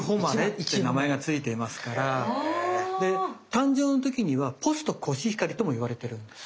誕生の時にはポストコシヒカリとも言われてるんです。